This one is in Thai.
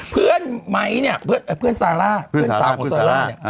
ไมค์เนี่ยเพื่อนซาร่าเพื่อนสาวของซาร่าเนี่ย